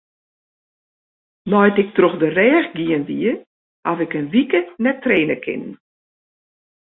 Nei't ik troch de rêch gien wie, haw ik in wike net traine kinnen.